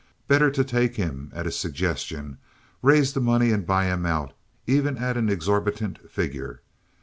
Better to take him at his suggestion, raise the money and buy him out, even at an exorbitant figure.